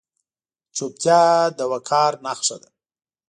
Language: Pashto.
چوپتیا، د وقار نښه ده.